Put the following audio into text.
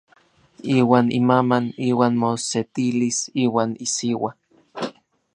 Iuan imaman iuan mosetilis iuan isiua.